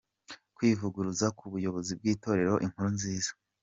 Kwivuguruza ku buyobozi bw’Itorero Inkuru Nziza.